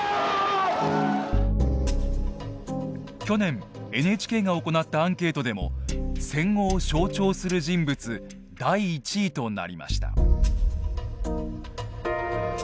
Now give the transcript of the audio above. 去年ＮＨＫが行ったアンケートでも戦後を象徴する人物第１位となりました。